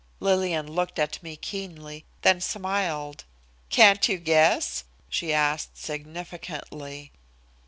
Lillian looked at me keenly, then smiled. "Can't you guess?" she asked significantly.